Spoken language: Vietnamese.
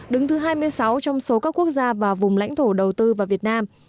đứng thứ hai mươi sáu trong số các quốc gia và vùng lãnh thổ đầu tư vào việt nam